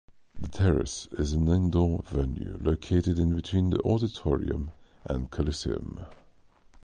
The Terrace is an indoor venue located in between the auditorium and Coliseum.